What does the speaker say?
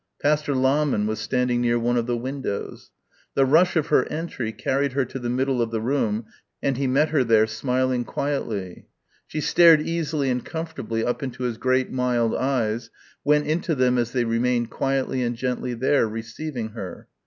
Pastor Lahmann was standing near one of the windows. The rush of her entry carried her to the middle of the room and he met her there smiling quietly. She stared easily and comfortably up into his great mild eyes, went into them as they remained quietly and gently there, receiving her.